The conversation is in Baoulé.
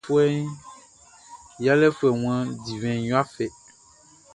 Yalé foué wan divin ya fê.